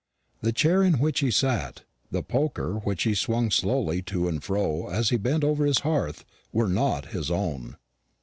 The chair in which he sat, the poker which he swung slowly to and fro as he bent over his hearth, were not his own.